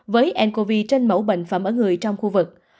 với ncov trên mẫu bệnh phẩm ở người trong khu vực